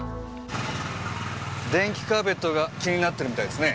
電気カーペットが気になってるみたいですね。